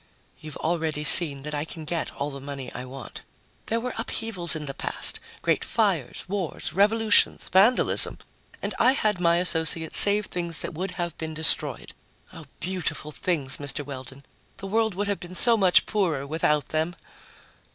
"You've already seen that I can get all the money I want. There were upheavals in the past great fires, wars, revolutions, vandalism and I had my associates save things that would have been destroyed. Oh, beautiful things, Mr. Weldon! The world would have been so much poorer without them!"